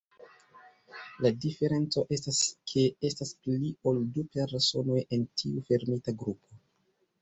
La diferenco estas, ke estas pli ol du personoj en tiu fermita grupo.